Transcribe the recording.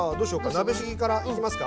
鍋しぎからいきますか。